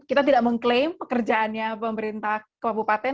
kita tidak mengklaim pekerjaannya pemerintah kabupaten